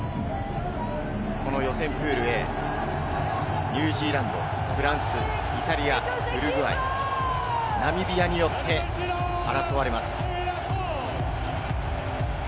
この予選プールＡ、ニュージーランド、フランス、イタリア、ウルグアイ、ナミビアによって争われます。